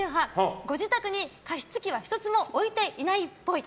ご自宅に加湿器は１つも置いていないっぽい。